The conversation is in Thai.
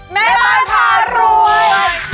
แม่บ้านพารวย